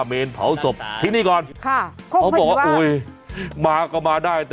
เมนเผาศพที่นี่ก่อนค่ะเขาบอกว่าโอ้ยมาก็มาได้แต่